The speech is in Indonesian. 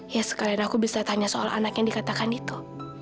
ya sekalian aku bisa tanya soal anak yang dikatakan itu